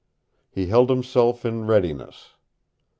He held himself in readiness.